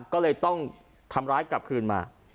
ก็เลยต้องทำร้ายกลับคืนมา